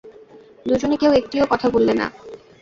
দুজনে কেউ একটিও কথা বললে না।